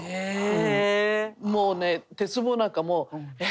もうね鉄棒なんかもう「えっ？